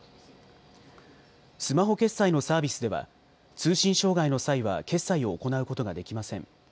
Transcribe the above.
スマホ決済のサービスでは通信障害の際は決済を行うことができません。